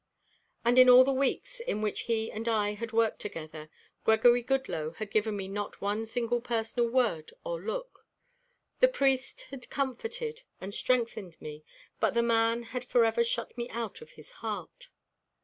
And in all the weeks in which he and I had worked together Gregory Goodloe had given me not one single personal word or look. The priest had comforted and strengthened me but the man had forever shut me out of his heart.